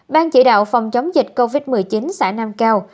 ban chỉ đạo phòng chống dịch covid một mươi chín xã nam cao